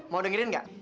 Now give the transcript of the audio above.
mau dengerin gak